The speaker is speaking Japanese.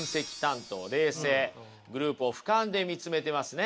冷静グループをふかんで見つめてますね。